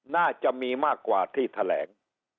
น่าจะมีมากกว่าที่แถลง